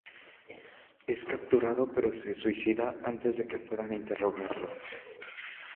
Es capturado, pero se suicida antes de que puedan interrogarlo.